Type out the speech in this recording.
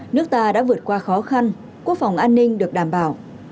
nước ta đã vượt qua khó khăn quốc phòng an ninh được đảm bảo